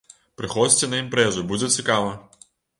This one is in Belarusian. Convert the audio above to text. Прыходзьце на імпрэзу, будзе цікава!